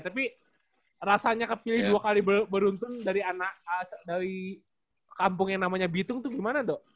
tapi rasanya kepilih dua kali beruntung dari anak dari kampung yang namanya bitung tuh gimana do